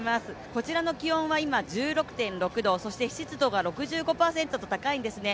こちらの気温は１６．６度、そして湿度が６５％と高いんですね。